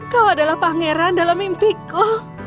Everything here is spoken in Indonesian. kau adalah pangeran dalam mimpiku